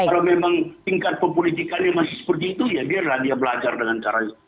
kalau memang tingkat pempolitikannya masih seperti itu ya biarlah dia belajar dengan cara